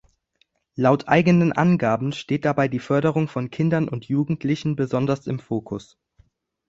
Laut eigenen Angaben steht dabei die Förderung von Kindern und Jugendlichen besonders im Fokus.